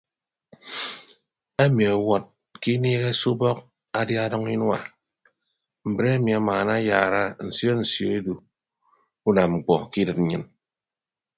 Emi ọwọd ke inieeghe se ubọk adia adʌñ inua mbre emi amaana ayaara nsio nsio edu unam mkpọ ke idịd nnyịn.